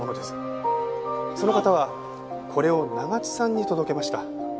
その方はこれを長津さんに届けました。